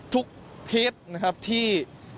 ทุกเคสที่